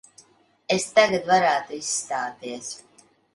Es tagad varētu izstāties.